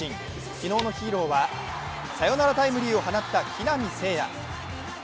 昨日のヒーローはサヨナラタイムリーを放った木浪聖也。